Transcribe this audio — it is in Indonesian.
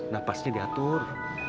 nah pas ini diatur